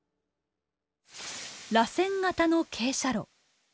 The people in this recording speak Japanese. らせん型の傾斜路。